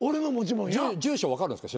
住所分かるんすか？